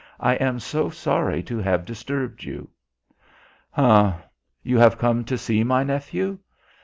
"I am so sorry to have disturbed you." "H'm. You have come to see my nephew?"